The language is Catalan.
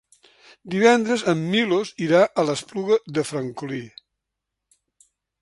Divendres en Milos irà a l'Espluga de Francolí.